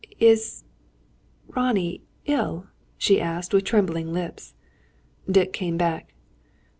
"Is Ronnie ill?" she asked, with trembling lips. Dick came back.